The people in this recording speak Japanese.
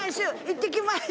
いってきます！